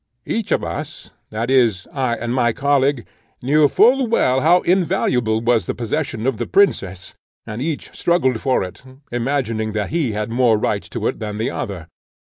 "Each of us, that is, I and my colleague, knew full well how invaluable was the possession of the princess, and each struggled for it, imagining that he had more right to it than the other.